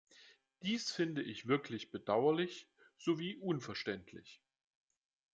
Dies finde ich wirklich bedauerlich sowie unverständlich.